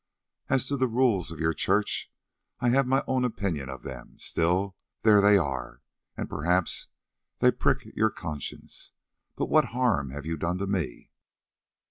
As to the rules of your Church, I have my own opinion of them. Still, there they are, and perhaps they prick your conscience. But what harm have you done to me?"